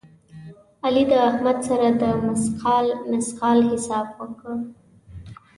علي د احمد سره د مثقال مثقال حساب وکړ.